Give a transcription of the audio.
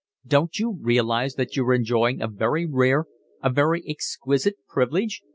"Don't you realise that you're enjoying a very rare, a very exquisite privilege?